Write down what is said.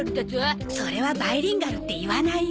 それはバイリンガルって言わないよ。